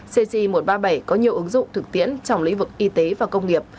cc một trăm ba mươi bảy có nhiều ứng dụng thực tiễn trong lĩnh vực y tế và công nghiệp